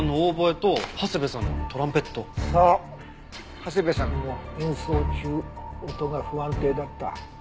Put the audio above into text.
長谷部さんも演奏中音が不安定だった。